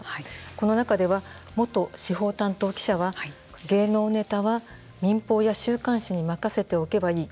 この中では元司法担当記者は芸能ネタは民放や週刊誌に任せておけばいい。